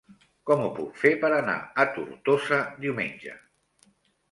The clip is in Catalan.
Com ho puc fer per anar a Tortosa diumenge?